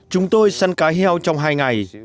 chúng tôi săn cá heo trong hai ngày